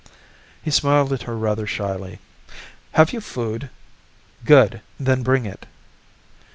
He smiled at her rather shyly. "Have you food? Good, then bring it."